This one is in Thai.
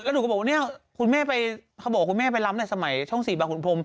หนูก็บอกเนี่ยคุณแม่ไปโบกคุณแม่ไปล้ำในสมัยช่องสีบาหุ่นพม